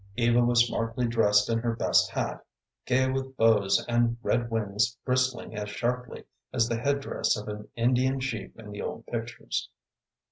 Eva was smartly dressed in her best hat, gay with bows and red wings bristling as sharply as the head dress of an Indian chief in the old pictures.